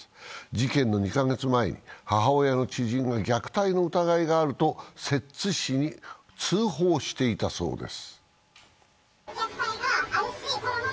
事件の２カ月前に母親の知人が虐待の疑いがあると摂津市に通報していたそうです。